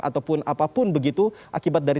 ataupun apapun begitu akibat dari